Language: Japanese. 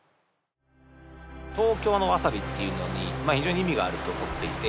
東京のワサビっていうのに非常に意味があると思っていて。